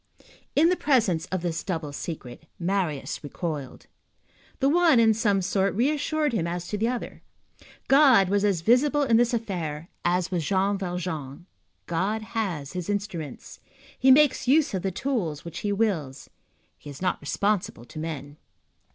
In the presence of this double secret, Marius recoiled. The one, in some sort, reassured him as to the other. God was as visible in this affair as was Jean Valjean. God has his instruments. He makes use of the tool which he wills. He is not responsible to men.